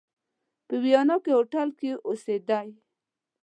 په ویانا کې هوټل کې اوسېدی.